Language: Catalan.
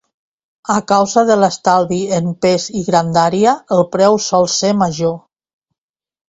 A causa de l'estalvi en pes i grandària el preu sol ser major.